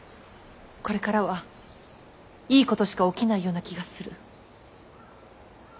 これからはいいことしか起きないような気がする。